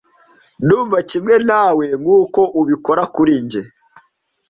Ndumva kimwe nawe nkuko ubikora kuri njye.